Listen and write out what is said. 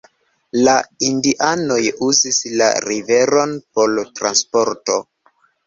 La indianoj uzis la riveron por transporto.